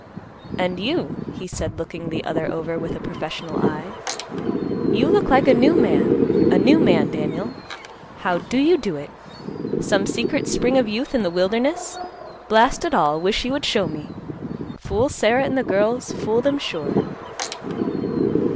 "And you," he said, looking the other over with a professional eye, "you look like a new man; a new man, Daniel. How do you do it? Some secret spring of youth in the wilderness? Blast it all, wish you would show me. Fool Sarah and the girls, fool them, sure."